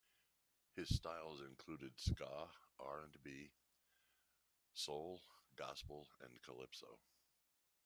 His styles included ska, R and B, soul, gospel and calypso.